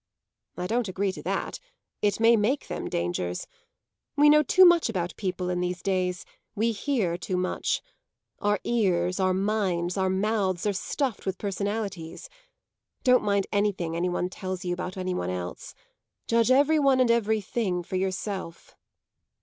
"I don't agree to that it may make them dangers. We know too much about people in these days; we hear too much. Our ears, our minds, our mouths, are stuffed with personalities. Don't mind anything any one tells you about any one else. Judge everyone and everything for yourself."